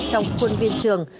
trong khuôn viên trường